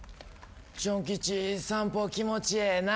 ジュンキチ散歩気持ちええな。